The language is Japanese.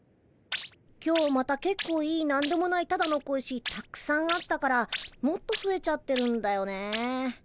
今日またけっこういいなんでもないただの小石たくさんあったからもっとふえちゃってるんだよね。